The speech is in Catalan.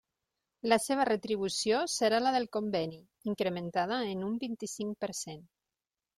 La seva retribució serà la del conveni, incrementada en un vint-i-cinc per cent.